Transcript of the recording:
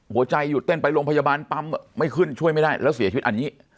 หัวใจหยุดเต้นไปโรงพยาบาลปั๊มไม่ขึ้นช่วยไม่ได้แล้วเสียชีวิตอันนี้